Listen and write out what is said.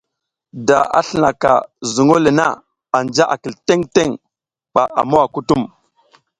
Da a slinaka zuŋ le na, anja a kil teŋ teŋ, ba a mowa kutum.